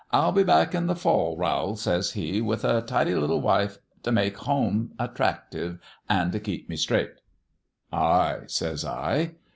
I'll be back in the fall, Rowl,' says he, ' with a tidy little wife t' make home attractive an' keep me straight.' "' Ay,' says I.